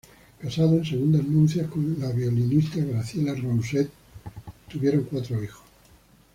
Casado en segundas nupcias con la violinista Graciela Rousset procrearon cuatro hijos.